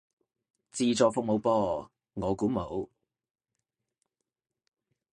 自助服務噃，我估冇